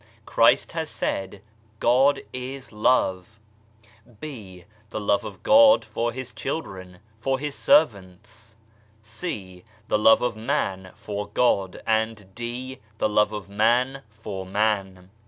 Christ has said God is Love, (b) The love of God for His children for His servants, (c) The love of man for God and (d) the love of man for man.